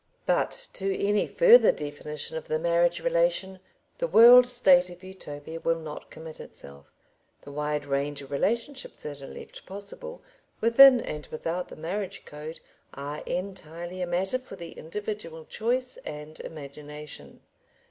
But to any further definition of the marriage relation the World State of Utopia will not commit itself. The wide range of relationships that are left possible, within and without the marriage code, are entirely a matter for the individual choice and imagination.